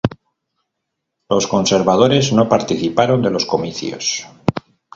Los conservadores no participaron de los comicios.